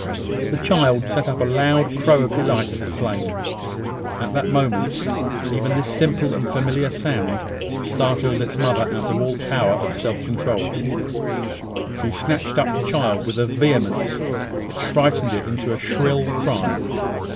The child set up a loud crow of delight at the flame. At that moment, even this simple and familiar sound startled its mother out of all power of self control. She snatched up the child with a vehemence which frightened it into a shrill cry.